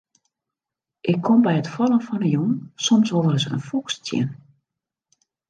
Ik kom by it fallen fan 'e jûn soms wol ris in foks tsjin.